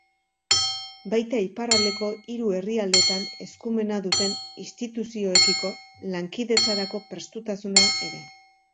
Baita iparraldeko hiru herrialdeetan eskumena duten instituzioekiko lankidetzarako prestutasuna ere.